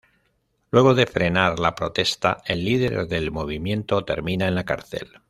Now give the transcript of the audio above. Luego de frenar la protesta, el líder del movimiento termina en la cárcel.